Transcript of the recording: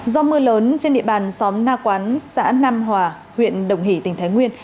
do mưa lớn trên địa bàn xóm na quán xã nam hòa huyện đồng hỷ tỉnh thái nguyên